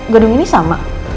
gedung ini sama